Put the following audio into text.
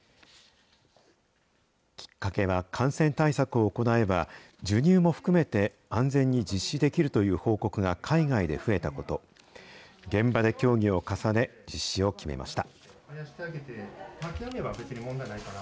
きっかけは感染対策を行えば、授乳も含めて安全に実施できるという報告が海外で増えたこと、現場で協議を重ね、実施を決めました。